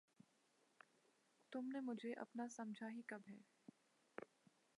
تم نے مجھے اپنا سمجھا ہی کب ہے!